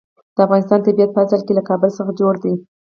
د افغانستان طبیعت په اصل کې له کابل څخه جوړ دی.